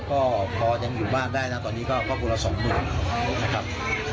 ก็พอยังอยู่บ้านได้นะตอนนี้ก็คนละสองหมื่นนะครับ